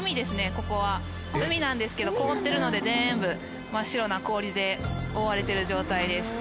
海なんですけど凍ってるので全部真っ白な氷で覆われてる状態です。